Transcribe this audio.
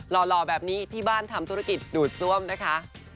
หล่อแบบนี้ที่บ้านทำธุรกิจดูดซ่วมนะคะ